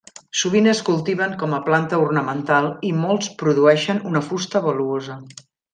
Sovint es cultiven com a planta ornamental i molts produeixen una fusta valuosa.